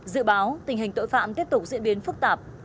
dự báo tình hình tội phạm tiếp tục diễn biến phức tạp